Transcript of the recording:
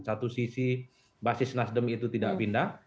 satu sisi basis nasdem itu tidak pindah